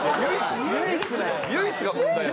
唯一が問題や。